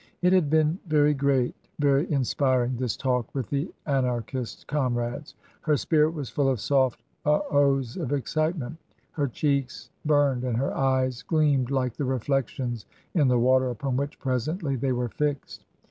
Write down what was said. It had been very great, very inspiring, this talk with the Anarchist comrades. Her spirit was full of soft oh ohs" of excitement, her cheeks burned, and her eyes gleamed like the reflections in the water upon which presently they were fixed.